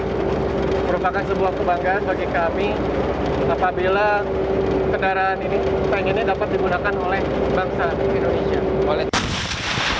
ini merupakan sebuah kebanggaan bagi kami apabila kendaraan ini tank ini dapat digunakan oleh bangsa indonesia